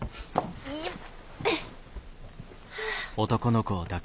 よっ！